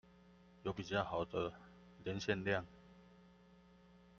有比較好的連線量